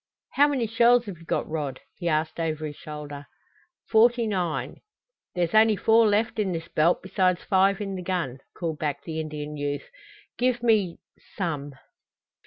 "How many shells have you got, Rod?" he asked over his shoulder. "Forty nine." "There's only four left in this belt besides five in the gun," called back the Indian youth. "Give me some."